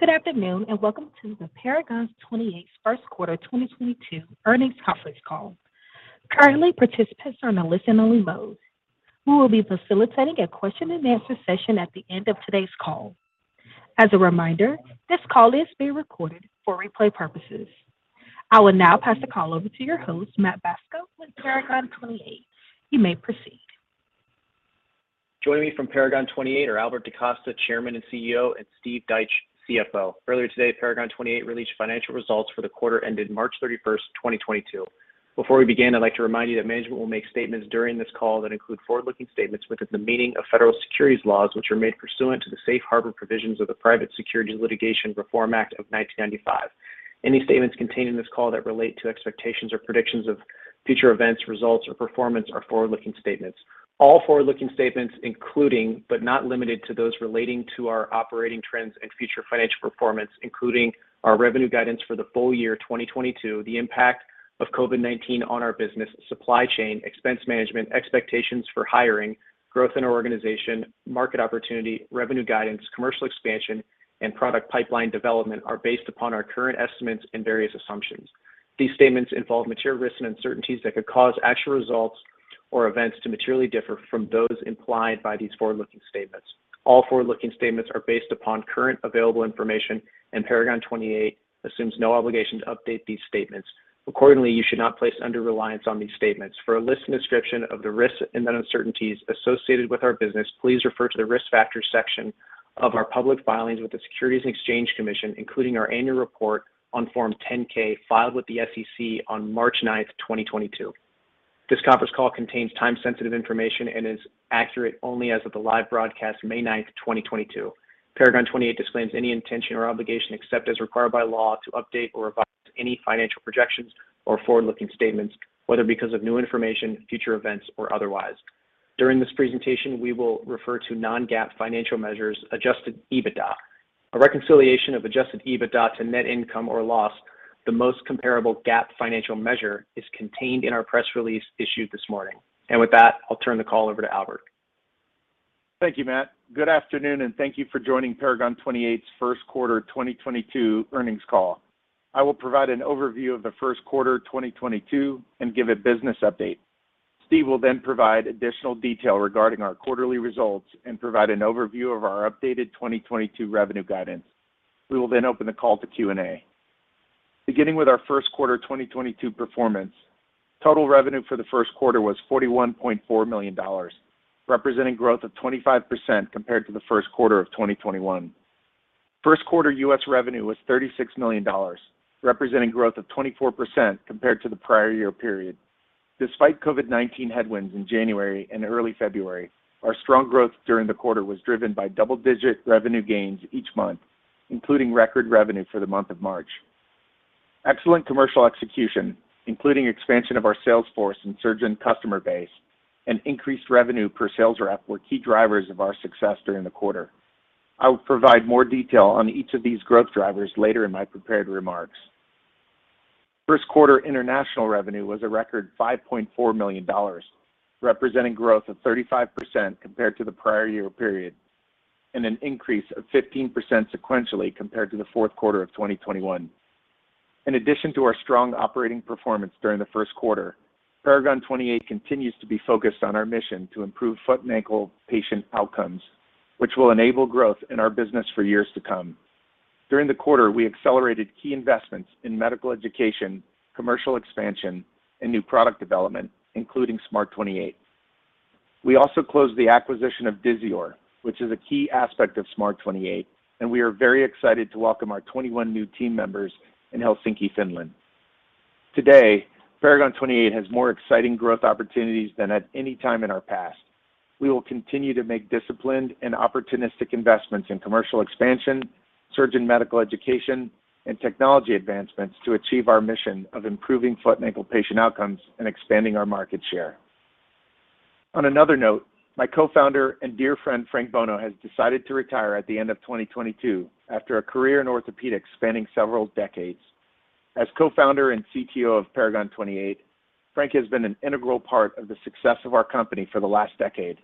Good afternoon, and welcome to the Paragon 28 first quarter 2022 earnings conference call. Currently, participants are in a listen-only mode. We will be facilitating a Q&A session at the end of today's call. As a reminder, this call is being recorded for replay purposes. I will now pass the call over to your host, Matt Brinckman with Paragon 28. You may proceed. Joining me from Paragon 28 are Albert DaCosta, Chairman and CEO, and Steve Deitsch, CFO. Earlier today, Paragon 28 released financial results for the quarter ended March 31, 2022. Before we begin, I'd like to remind you that management will make statements during this call that include forward-looking statements within the meaning of federal securities laws, which are made pursuant to the Safe Harbor provisions of the Private Securities Litigation Reform Act of 1995. Any statements contained in this call that relate to expectations or predictions of future events, results, or performance are forward-looking statements. All forward-looking statements, including but not limited to those relating to our operating trends and future financial performance, including our revenue guidance for the full year 2022, the impact of COVID-19 on our business, supply chain, expense management, expectations for hiring, growth in our organization, market opportunity, revenue guidance, commercial expansion, and product pipeline development, are based upon our current estimates and various assumptions. These statements involve material risks and uncertainties that could cause actual results or events to materially differ from those implied by these forward-looking statements. All forward-looking statements are based upon current available information, and Paragon 28 assumes no obligation to update these statements. Accordingly, you should not place undue reliance on these statements. For a list and description of the risks and uncertainties associated with our business, please refer to the Risk Factors section of our public filings with the Securities and Exchange Commission, including our annual report on Form 10-K filed with the SEC on March 9, 2022. This conference call contains time-sensitive information and is accurate only as of the live broadcast May 9, 2022. Paragon 28 disclaims any intention or obligation, except as required by law, to update or revise any financial projections or forward-looking statements, whether because of new information, future events, or otherwise. During this presentation, we will refer to non-GAAP financial measures, adjusted EBITDA. A reconciliation of adjusted EBITDA to net income or loss, the most comparable GAAP financial measure, is contained in our press release issued this morning. With that, I'll turn the call over to Albert. Thank you, Matt. Good afternoon, and thank you for joining Paragon 28's first quarter 2022 earnings call. I will provide an overview of the first quarter 2022 and give a business update. Steve will then provide additional detail regarding our quarterly results and provide an overview of our updated 2022 revenue guidance. We will then open the call to Q&A. Beginning with our first quarter 2022 performance, total revenue for the first quarter was $41.4 million, representing growth of 25% compared to the first quarter of 2021. First quarter U.S. revenue was $36 million, representing growth of 24% compared to the prior year period. Despite COVID-19 headwinds in January and early February, our strong growth during the quarter was driven by double-digit revenue gains each month, including record revenue for the month of March. Excellent commercial execution, including expansion of our sales force and surgeon customer base and increased revenue per sales rep were key drivers of our success during the quarter. I will provide more detail on each of these growth drivers later in my prepared remarks. First quarter international revenue was a record $5.4 million, representing growth of 35% compared to the prior year period and an increase of 15% sequentially compared to the fourth quarter of 2021. In addition to our strong operating performance during the first quarter, Paragon 28 continues to be focused on our mission to improve foot and ankle patient outcomes, which will enable growth in our business for years to come. During the quarter, we accelerated key investments in medical education, commercial expansion, and new product development, including SMART28. We also closed the acquisition of Disior, which is a key aspect of SMART28, and we are very excited to welcome our 21 new team members in Helsinki, Finland. Today, Paragon 28 has more exciting growth opportunities than at any time in our past. We will continue to make disciplined and opportunistic investments in commercial expansion, surgeon medical education, and technology advancements to achieve our mission of improving foot and ankle patient outcomes and expanding our market share. On another note, my co-founder and dear friend, Frank Bono, has decided to retire at the end of 2022 after a career in orthopedics spanning several decades. As co-founder and CTO of Paragon 28, Frank has been an integral part of the success of our company for the last decade.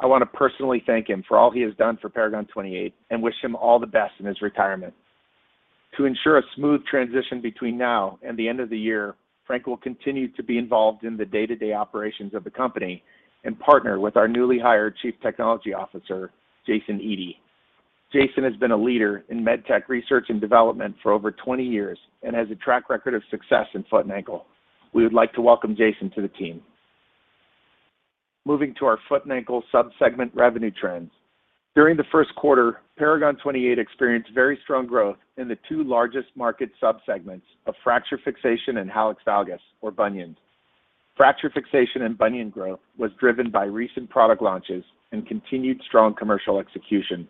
I want to personally thank him for all he has done for Paragon 28 and wish him all the best in his retirement. To ensure a smooth transition between now and the end of the year, Frank will continue to be involved in the day-to-day operations of the company and partner with our newly hired Chief Technology Officer, Jason Edie. Jason has been a leader in med tech research and development for over 20 years and has a track record of success in foot and ankle. We would like to welcome Jason to the team. Moving to our foot and ankle sub-segment revenue trends. During the first quarter, Paragon 28 experienced very strong growth in the two largest market sub-segments of fracture fixation and hallux valgus or bunions. Fracture fixation and bunion growth was driven by recent product launches and continued strong commercial execution.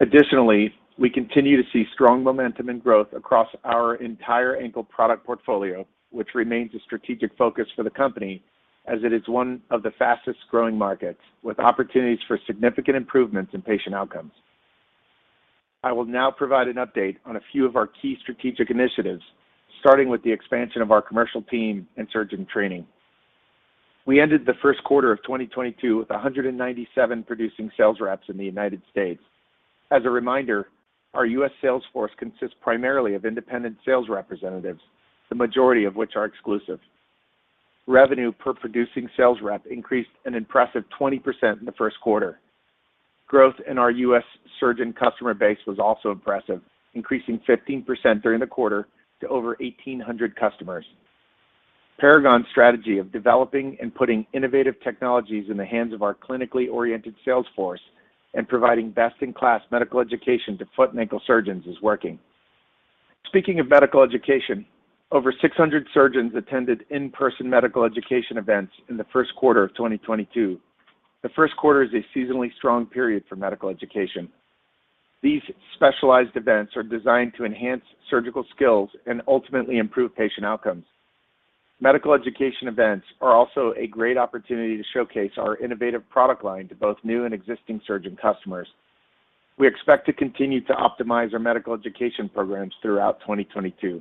Additionally, we continue to see strong momentum and growth across our entire ankle product portfolio, which remains a strategic focus for the company as it is one of the fastest-growing markets with opportunities for significant improvements in patient outcomes. I will now provide an update on a few of our key strategic initiatives, starting with the expansion of our commercial team and surgeon training. We ended the first quarter of 2022 with 197 producing sales reps in the United States. As a reminder, our U.S. sales force consists primarily of independent sales representatives, the majority of which are exclusive. Revenue per producing sales rep increased an impressive 20% in the first quarter. Growth in our U.S. surgeon customer base was also impressive, increasing 15% during the quarter to over 1,800 customers. Paragon 28's strategy of developing and putting innovative technologies in the hands of our clinically oriented sales force and providing best-in-class medical education to foot and ankle surgeons is working. Speaking of medical education, over 600 surgeons attended in-person medical education events in the first quarter of 2022. The first quarter is a seasonally strong period for medical education. These specialized events are designed to enhance surgical skills and ultimately improve patient outcomes. Medical education events are also a great opportunity to showcase our innovative product line to both new and existing surgeon customers. We expect to continue to optimize our medical education programs throughout 2022.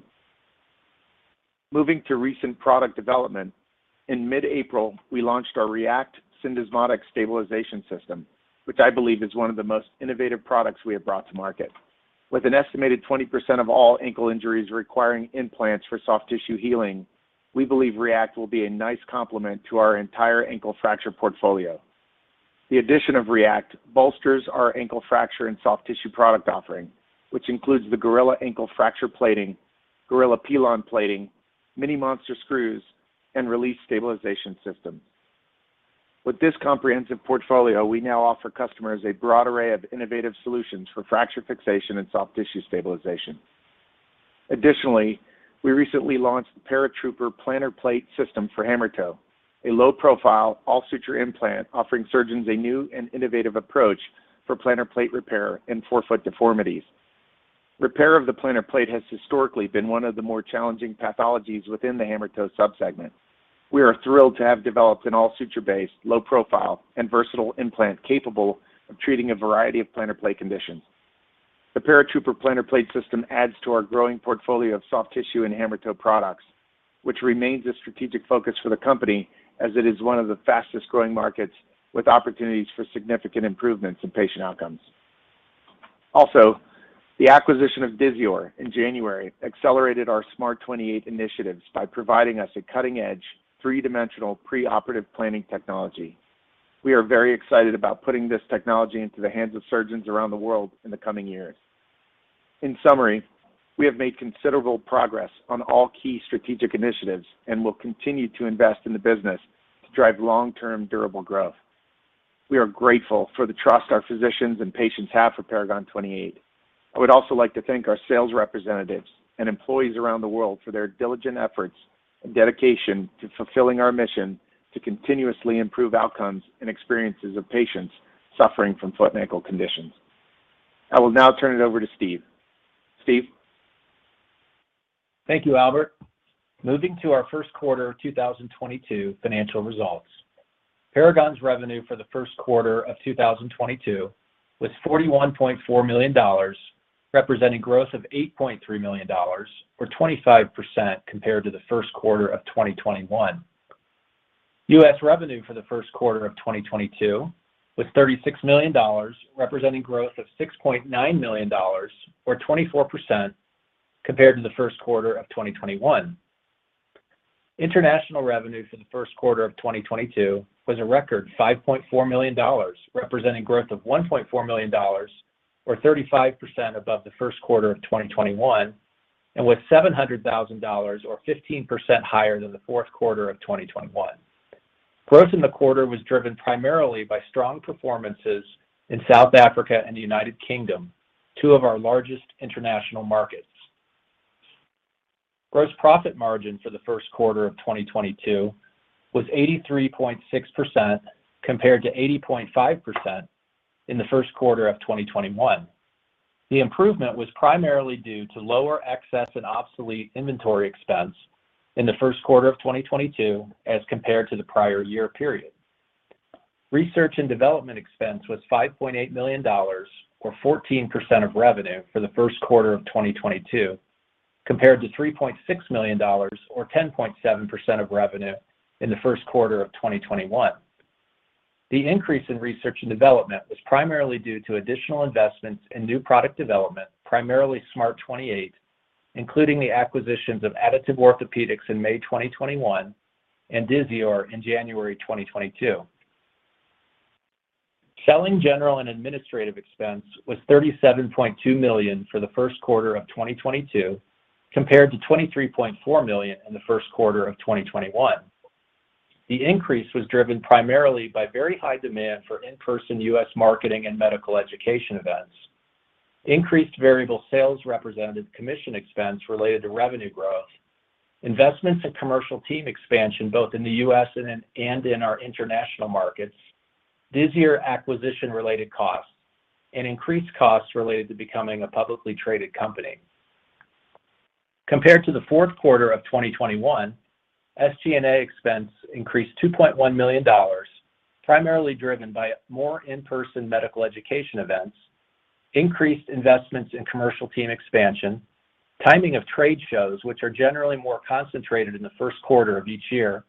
Moving to recent product development, in mid-April, we launched our R3ACT Syndesmotic Stabilization System, which I believe is one of the most innovative products we have brought to market. With an estimated 20% of all ankle injuries requiring implants for soft tissue healing, we believe R3ACT will be a nice complement to our entire ankle fracture portfolio. The addition of R3ACT bolsters our ankle fracture and soft tissue product offering, which includes the Gorilla Ankle Fracture Plating, Gorilla Pilon Plating, Mini Monster Screws, and R3ACT Stabilization System. With this comprehensive portfolio, we now offer customers a broad array of innovative solutions for fracture fixation and soft tissue stabilization. Additionally, we recently launched the Paratrooper Plantar Plate System for hammertoe, a low-profile, all-suture implant offering surgeons a new and innovative approach for plantar plate repair and forefoot deformities. Repair of the plantar plate has historically been one of the more challenging pathologies within the hammertoe subsegment. We are thrilled to have developed an all-suture-based, low-profile, and versatile implant capable of treating a variety of plantar plate conditions. The Paratrooper Plantar Plate System adds to our growing portfolio of soft tissue and hammertoe products, which remains a strategic focus for the company, as it is one of the fastest-growing markets with opportunities for significant improvements in patient outcomes. Also, the acquisition of Disior in January accelerated our SMART28 initiatives by providing us a cutting-edge, three-dimensional preoperative planning technology. We are very excited about putting this technology into the hands of surgeons around the world in the coming years. In summary, we have made considerable progress on all key strategic initiatives and will continue to invest in the business to drive long-term durable growth. We are grateful for the trust our physicians and patients have for Paragon 28. I would also like to thank our sales representatives and employees around the world for their diligent efforts and dedication to fulfilling our mission to continuously improve outcomes and experiences of patients suffering from foot and ankle conditions. I will now turn it over to Steve. Steve? Thank you, Albert. Moving to our first quarter of 2022 financial results. Paragon's revenue for the first quarter of 2022 was $41.4 million, representing growth of $8.3 million or 25% compared to the first quarter of 2021. US revenue for the first quarter of 2022 was $36 million, representing growth of $6.9 million or 24% compared to the first quarter of 2021. International revenue for the first quarter of 2022 was a record $5.4 million, representing growth of $1.4 million or 35% above the first quarter of 2021 and was $700,000 or 15% higher than the fourth quarter of 2021. Growth in the quarter was driven primarily by strong performances in South Africa and the United Kingdom, two of our largest international markets. Gross profit margin for the first quarter of 2022 was 83.6% compared to 80.5% in the first quarter of 2021. The improvement was primarily due to lower excess and obsolete inventory expense in the first quarter of 2022 as compared to the prior year period. Research and development expense was $5.8 million or 14% of revenue for the first quarter of 2022, compared to $3.6 million or 10.7% of revenue in the first quarter of 2021. The increase in research and development was primarily due to additional investments in new product development, primarily SMART28℠, including the acquisitions of Additive Orthopaedics in May 2021 and Disior in January 2022. Selling, general, and administrative expense was $37.2 million for the first quarter of 2022 compared to $23.4 million in the first quarter of 2021. The increase was driven primarily by very high demand for in-person U.S. marketing and medical education events, increased variable sales representative commission expense related to revenue growth, investments in commercial team expansion, both in the U.S. and in our international markets, Disior acquisition-related costs, and increased costs related to becoming a publicly traded company. Compared to the fourth quarter of 2021, SG&A expense increased $2.1 million, primarily driven by more in-person medical education events. Increased investments in commercial team expansion, timing of trade shows, which are generally more concentrated in the first quarter of each year,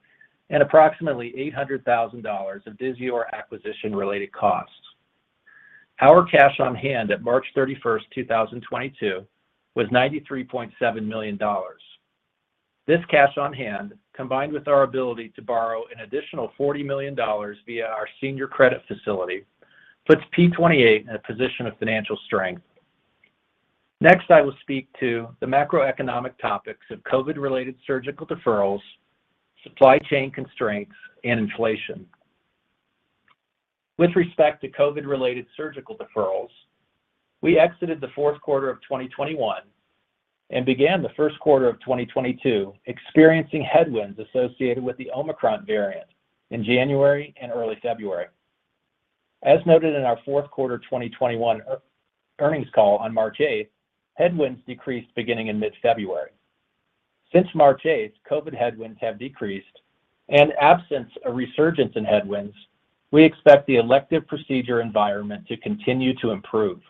and approximately $800,000 of Disior acquisition-related costs. Our cash on hand at March 31st, 2022 was $93.7 million. This cash on hand, combined with our ability to borrow an additional $40 million via our senior credit facility, puts P28 in a position of financial strength. Next, I will speak to the macroeconomic topics of COVID-related surgical deferrals, supply chain constraints, and inflation. With respect to COVID-related surgical deferrals, we exited the fourth quarter of 2021 and began the first quarter of 2022 experiencing headwinds associated with the Omicron variant in January and early February. As noted in our fourth quarter 2021 earnings call on March 8, headwinds decreased beginning in mid-February. Since March 8, COVID headwinds have decreased, and absent a resurgence in headwinds, we expect the elective procedure environment to continue to improve.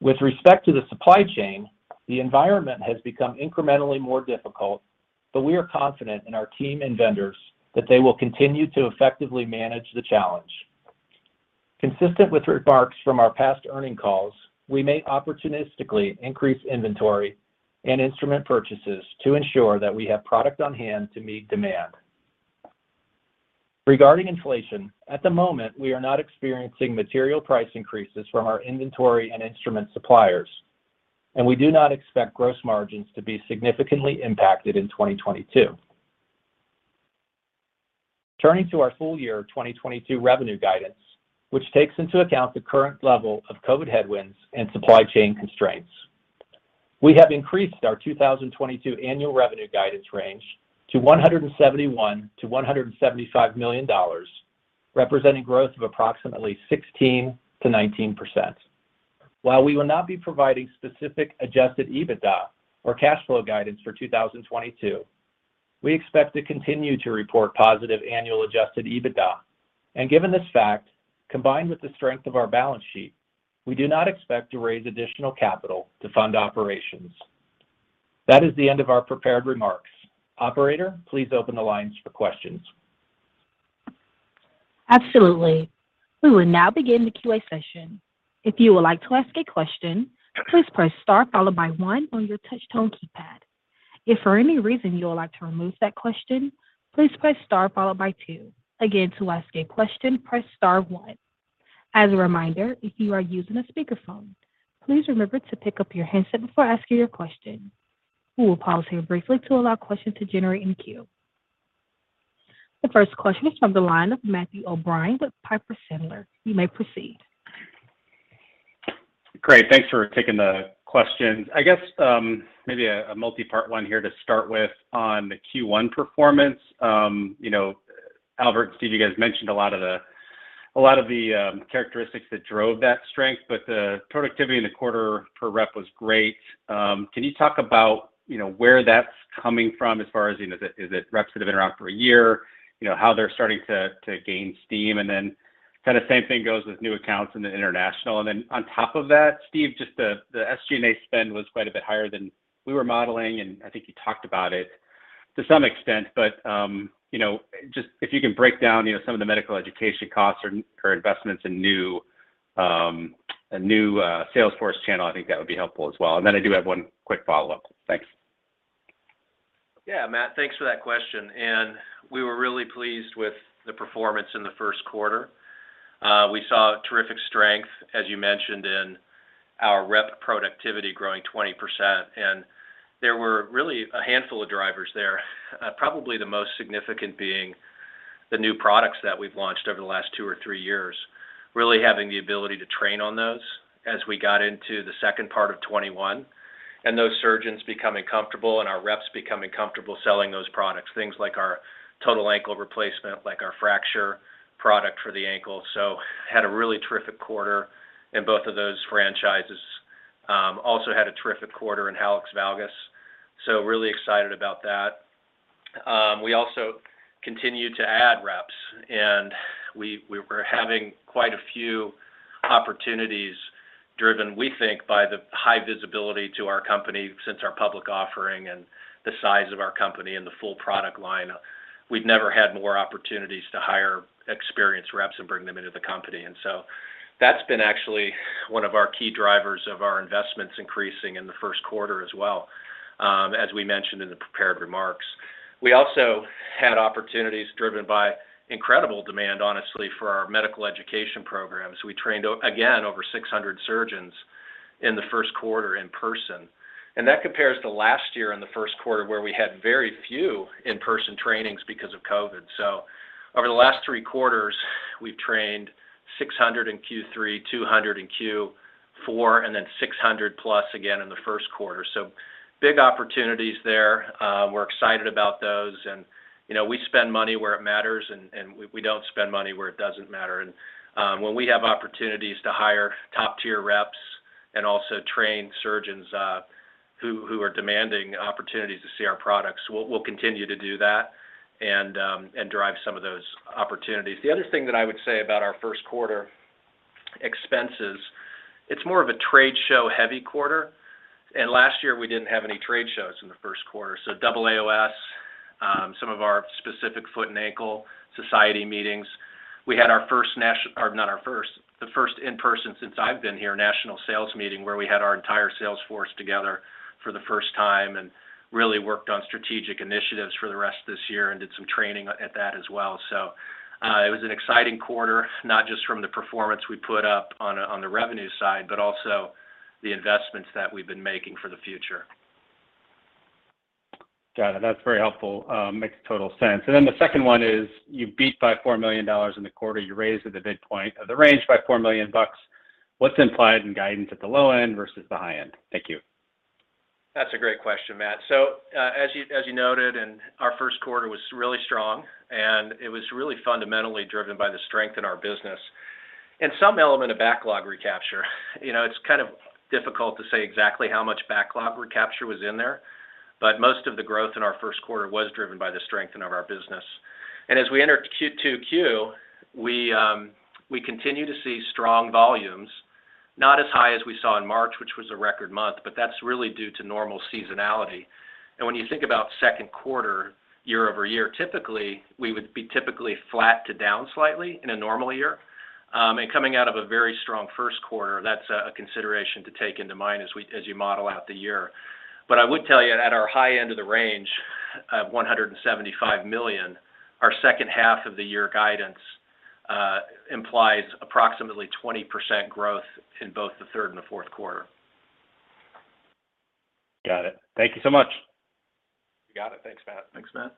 With respect to the supply chain, the environment has become incrementally more difficult, but we are confident in our team and vendors that they will continue to effectively manage the challenge. Consistent with remarks from our past earnings calls, we may opportunistically increase inventory and instrument purchases to ensure that we have product on hand to meet demand. Regarding inflation, at the moment, we are not experiencing material price increases from our inventory and instrument suppliers, and we do not expect gross margins to be significantly impacted in 2022. Turning to our full-year 2022 revenue guidance, which takes into account the current level of COVID headwinds and supply chain constraints. We have increased our 2022 annual revenue guidance range to $171 million-$175 million, representing growth of approximately 16%-19%. While we will not be providing specific adjusted EBITDA or cash flow guidance for 2022, we expect to continue to report positive annual adjusted EBITDA. Given this fact, combined with the strength of our balance sheet, we do not expect to raise additional capital to fund operations. That is the end of our prepared remarks. Operator, please open the lines for questions. Absolutely. We will now begin the Q&A session. If you would like to ask a question, please press star followed by one on your touch tone keypad. If for any reason you would like to remove that question, please press star followed by two. Again, to ask a question, press star one. As a reminder, if you are using a speakerphone, please remember to pick up your handset before asking your question. We will pause here briefly to allow questions to generate in queue. The first question is from the line of Matthew O'Brien with Piper Sandler. You may proceed. Great. Thanks for taking the questions. I guess, maybe a multipart one here to start with on the Q1 performance. You know, Albert and Steve, you guys mentioned a lot of the characteristics that drove that strength, but the productivity in the quarter per rep was great. Can you talk about, you know, where that's coming from as far as, you know, is it reps that have been around for a year? You know, how they're starting to gain steam? And then kinda same thing goes with new accounts in the international. And then on top of that, Steve, just the SG&A spend was quite a bit higher than we were modeling, and I think you talked about it to some extent. Just if you can break down, you know, some of the medical education costs or investments in a new sales force channel, I think that would be helpful as well. Then I do have one quick follow-up. Thanks. Yeah, Matt, thanks for that question. We were really pleased with the performance in the first quarter. We saw terrific strength, as you mentioned, in our rep productivity growing 20%. There were really a handful of drivers there. Probably the most significant being the new products that we've launched over the last two or three years, really having the ability to train on those as we got into the second part of 2021, and those surgeons becoming comfortable and our reps becoming comfortable selling those products. Things like our total ankle replacement, like our fracture product for the ankle. Had a really terrific quarter in both of those franchises. Also had a terrific quarter in Hallux Valgus, so really excited about that. We also continued to add reps, and we were having quite a few opportunities driven, we think, by the high visibility to our company since our public offering and the size of our company and the full product line. We've never had more opportunities to hire experienced reps and bring them into the company. That's been actually one of our key drivers of our investments increasing in the first quarter as well, as we mentioned in the prepared remarks. We also had opportunities driven by incredible demand, honestly, for our medical education programs. We trained again, over 600 surgeons in the first quarter in person, and that compares to last year in the first quarter, where we had very few in-person trainings because of COVID. Over the last three quarters, we've trained 600 in Q3, 200 in Q4, and then 600+ again in the first quarter. Big opportunities there. We're excited about those. You know, we spend money where it matters and we don't spend money where it doesn't matter. When we have opportunities to hire top-tier reps Also train surgeons who are demanding opportunities to see our products. We'll continue to do that and drive some of those opportunities. The other thing that I would say about our first quarter expenses, it's more of a trade show heavy quarter. Last year we didn't have any trade shows in the first quarter. Double AAOS, some of our specific foot and ankle society meetings. We had the first in-person since I've been here national sales meeting, where we had our entire sales force together for the first time and really worked on strategic initiatives for the rest of this year and did some training at that as well. It was an exciting quarter, not just from the performance we put up on the revenue side, but also the investments that we've been making for the future. Got it. That's very helpful. Makes total sense. The second one is you beat by $4 million in the quarter, you raised at the midpoint of the range by $4 million. What's implied in guidance at the low end versus the high end? Thank you. That's a great question, Matt. So, as you noted, our first quarter was really strong, and it was really fundamentally driven by the strength in our business. Some element of backlog recapture. You know, it's kind of difficult to say exactly how much backlog recapture was in there. But most of the growth in our first quarter was driven by the strength in our business. As we enter Q2, we continue to see strong volumes, not as high as we saw in March, which was a record month, but that's really due to normal seasonality. When you think about second quarter year-over-year, typically, we would be flat to down slightly in a normal year. Coming out of a very strong first quarter, that's a consideration to take into mind as you model out the year. I would tell you, at our high end of the range of $175 million, our second half of the year guidance implies approximately 20% growth in both the third and the fourth quarter. Got it. Thank you so much. You got it. Thanks, Matt. Thanks, Matt.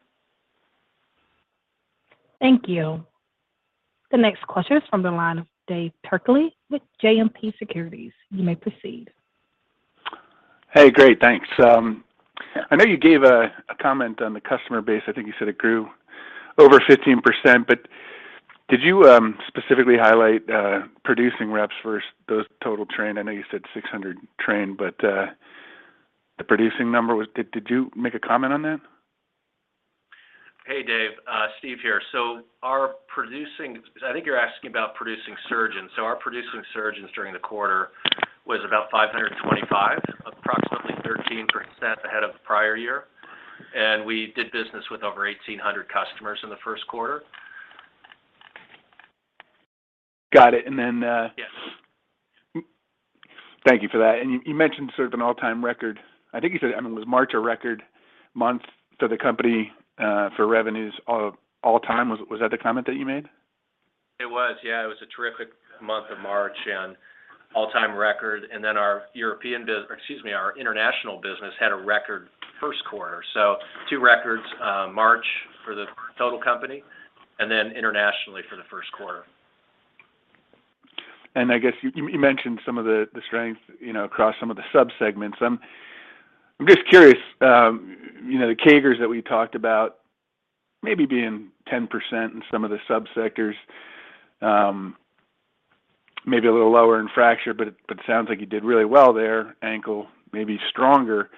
Thank you. The next question is from the line of Dave Turkaly with JMP Securities. You may proceed. Hey, great. Thanks. I know you gave a comment on the customer base. I think you said it grew over 15%, but did you specifically highlight producing reps versus those total trained? I know you said 600 trained, but the producing number was. Did you make a comment on that? Hey, Dave. Steve here. I think you're asking about producing surgeons. Our producing surgeons during the quarter was about 525, approximately 13% ahead of prior year. We did business with over 1,800 customers in the first quarter. Got it. Yes. Thank you for that. You mentioned sort of an all-time record. I think you said, I mean, was March a record month for the company, for revenues of all time? Was that the comment that you made? It was. Yeah. It was a terrific month of March and all-time record. Our European business, excuse me, our international business had a record first quarter. Two records, March for the total company, and then internationally for the first quarter. I guess you mentioned some of the strength, you know, across some of the sub-segments. I'm just curious, you know, the CAGRs that we talked about maybe being 10% in some of the sub-sectors, maybe a little lower in fracture, but it sounds like you did really well there. Ankle may be stronger.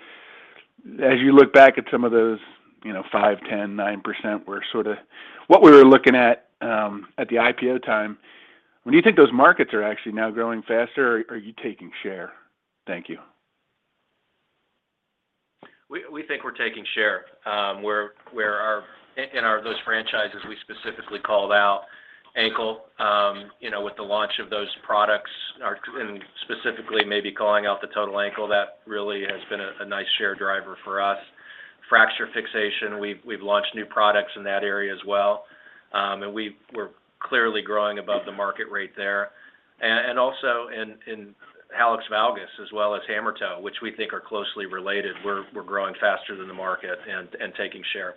As you look back at some of those, you know, 5%, 10%, 9% were sort of what we were looking at at the IPO time. When you think those markets are actually now growing faster, or are you taking share? Thank you. We think we're taking share. In those franchises we specifically called out, ankle, you know, with the launch of those products, and specifically maybe calling out the total ankle, that really has been a nice share driver for us. Fracture fixation, we've launched new products in that area as well. We're clearly growing above the market rate there. Also in hallux valgus as well as hammer toe, which we think are closely related, we're growing faster than the market and taking share.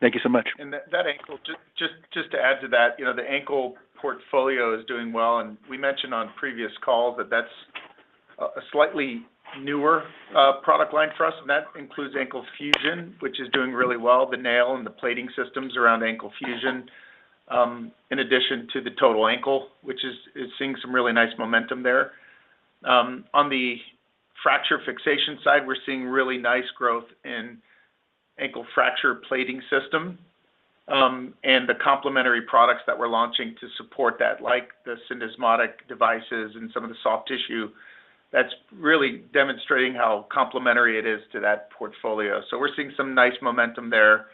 Thank you so much. That ankle, just to add to that, you know, the ankle portfolio is doing well. We mentioned on previous calls that that's a slightly newer product line for us, and that includes ankle fusion, which is doing really well, the nail and the plating systems around ankle fusion, in addition to the total ankle, which is seeing some really nice momentum there. On the fracture fixation side, we're seeing really nice growth in ankle fracture plating system, and the complementary products that we're launching to support that, like the syndesmotic devices and some of the soft tissue, that's really demonstrating how complementary it is to that portfolio. We're seeing some nice momentum there,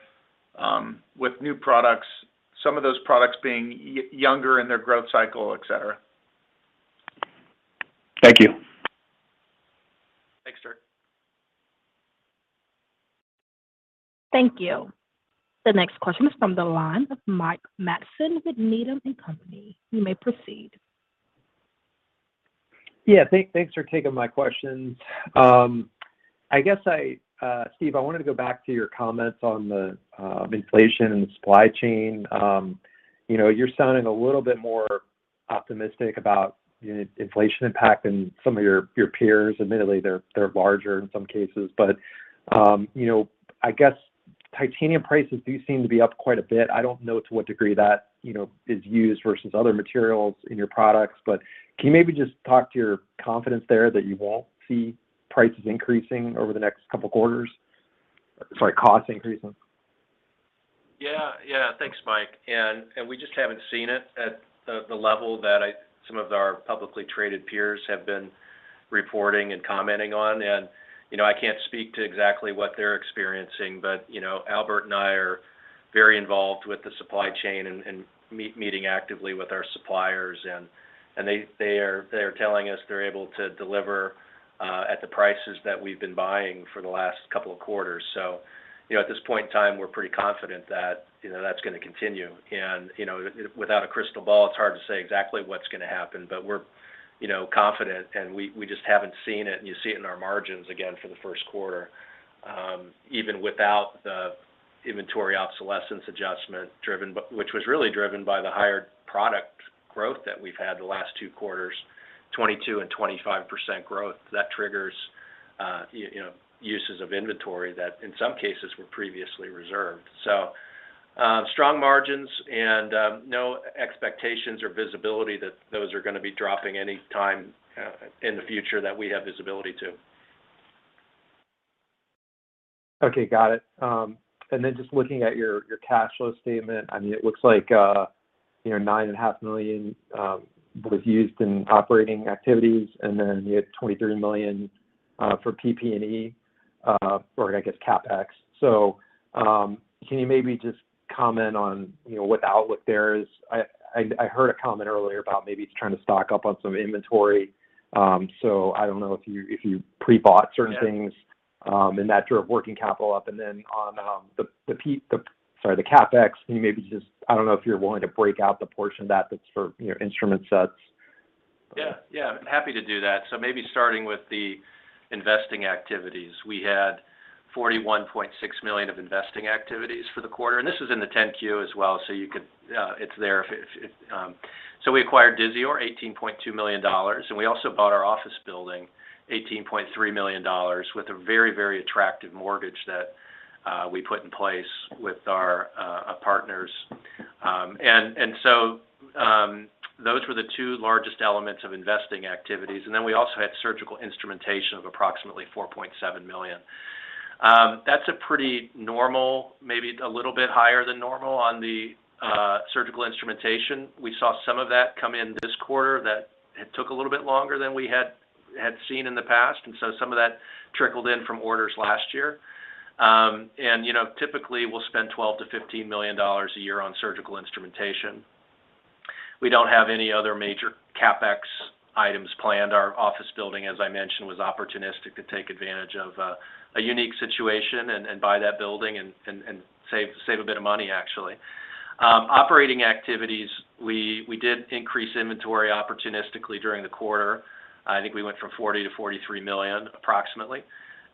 with new products, some of those products being younger in their growth cycle, et cetera. Thank you. Thanks, sir. Thank you. The next question is from the line of Mike Matson with Needham & Company. You may proceed. Yeah. Thanks for taking my questions. I guess I, Steve, I wanted to go back to your comments on the inflation and supply chain. You know, you're sounding a little bit more optimistic about the inflation impact than some of your peers. Admittedly, they're larger in some cases. Titanium prices do seem to be up quite a bit. I don't know to what degree that, you know, is used versus other materials in your products. Can you maybe just talk to your confidence there that you won't see prices increasing over the next couple quarters? Sorry, costs increasing. Yeah. Yeah. Thanks, Mike. We just haven't seen it at the level some of our publicly traded peers have been reporting and commenting on. You know, I can't speak to exactly what they're experiencing, but you know, Albert and I are very involved with the supply chain and meeting actively with our suppliers and they are telling us they're able to deliver at the prices that we've been buying for the last couple of quarters. You know, at this point in time, we're pretty confident that you know, that's gonna continue. You know, without a crystal ball, it's hard to say exactly what's gonna happen. We're, you know, confident, and we just haven't seen it, and you see it in our margins again for the first quarter, even without the inventory obsolescence adjustment driven by... Which was really driven by the higher product growth that we've had the last two quarters, 22% and 25% growth. That triggers, you know, uses of inventory that in some cases were previously reserved. Strong margins and no expectations or visibility that those are gonna be dropping any time in the future that we have visibility to. Okay. Got it. Just looking at your cash flow statement. I mean, it looks like, you know, $9.5 million was used in operating activities, and then you had $23 million for PP&E, or I guess CapEx. Can you maybe just comment on, you know, what outlook there is? I heard a comment earlier about maybe trying to stock up on some inventory, so I don't know if you pre-bought certain things. Yeah. That drove working capital up and then on the CapEx. Sorry, can you maybe I don't know if you're willing to break out the portion of that that's for, you know, instrument sets. Happy to do that. Maybe starting with the investing activities. We had $41.6 million of investing activities for the quarter, and this is in the 10-Q as well, so it's there. We acquired Disior, $18.2 million, and we also bought our office building, $18.3 million with a very, very attractive mortgage that we put in place with our partners. Those were the two largest elements of investing activities. Then we also had surgical instrumentation of approximately $4.7 million. That's a pretty normal, maybe a little bit higher than normal on the surgical instrumentation. We saw some of that come in this quarter that it took a little bit longer than we had seen in the past, and so some of that trickled in from orders last year. You know, typically, we'll spend $12 million-$15 million a year on surgical instrumentation. We don't have any other major CapEx items planned. Our office building, as I mentioned, was opportunistic to take advantage of a unique situation and buy that building and save a bit of money actually. Operating activities, we did increase inventory opportunistically during the quarter. I think we went from $40 million-$43 million approximately.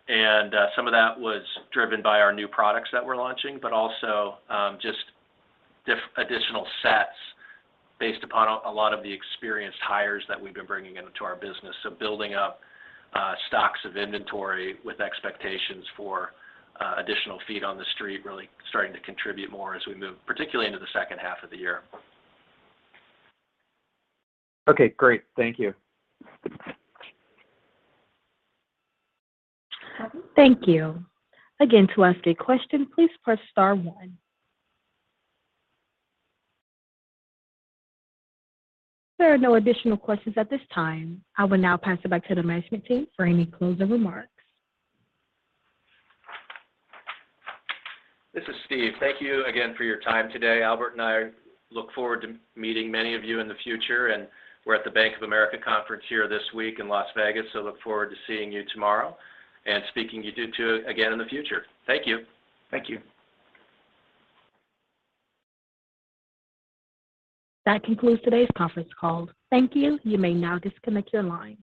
Some of that was driven by our new products that we're launching, but also just additional sets based upon a lot of the experienced hires that we've been bringing into our business. Building up stocks of inventory with expectations for additional feet on the street really starting to contribute more as we move, particularly into the second half of the year. Okay, great. Thank you. Thank you. Again, to ask a question, please press star one. There are no additional questions at this time. I will now pass it back to the management team for any closing remarks. This is Steve. Thank you again for your time today. Albert and I look forward to meeting many of you in the future, and we're at the Bank of America conference here this week in Las Vegas, so look forward to seeing you tomorrow and speaking to you again in the future. Thank you. Thank you. That concludes today's conference call. Thank you. You may now disconnect your line.